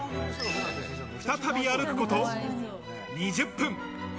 再び歩くこと２０分。